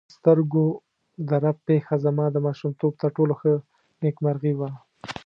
دغه د سترګو د رپ پېښه زما د ماشومتوب تر ټولو ښه نېکمرغي وه.